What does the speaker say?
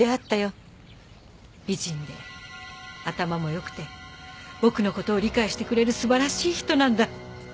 「美人で頭も良くて僕のことを理解してくれる素晴らしい人なんだ」